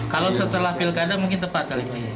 kalau setelah pilkada mungkin tepat